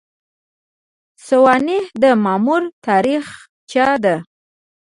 سوانح د مامور تاریخچه ده